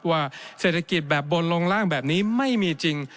ว่าเศรษฐกิจแบบบนลงล่างแบบนี้ไม่มีจริง